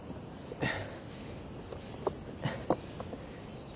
えっ？